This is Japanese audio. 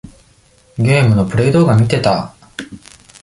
ゲームのプレイ動画みてた。